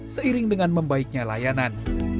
seiring dengan membaiknya layanan